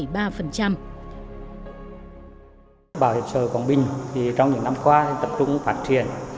bảo hiểm xã hội quảng bình trong những năm qua tập trung phát triển